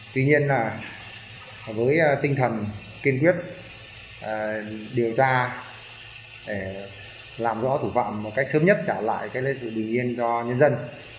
tuy nhiên với tinh thần kiên quyết điều tra để làm rõ thủ phạm một cách sớm nhất trả lại sự bình yên cho nhân dân